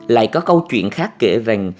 lại có câu chuyện khác kể rành